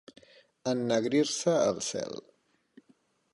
Ennegrir-se el cel.